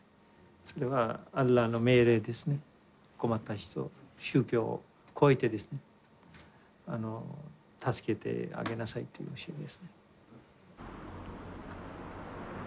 それは困った人を宗教を超えてですね助けてあげなさいという教えですね。